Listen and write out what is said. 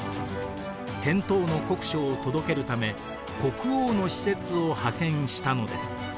返答の国書を届けるため国王の使節を派遣したのです。